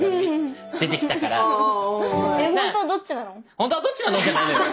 「本当はどっちなの？」じゃないのよ。